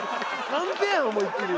カンペやん思いっきり。